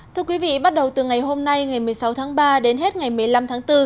thưa quý vị bắt đầu từ ngày hôm nay ngày một mươi sáu tháng ba đến hết ngày một mươi năm tháng bốn